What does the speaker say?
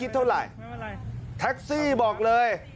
แท็กซี่บอกเลย